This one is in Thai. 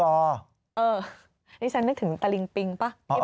นี่ฉันนึกถึงตะลิงปิงป่ะ